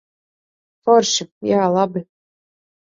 Forši. Jā, labi.